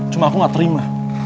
cuma aku gak terima